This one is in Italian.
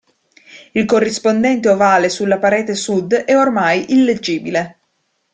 Il corrispondente ovale sulla parete sud è ormai illeggibile.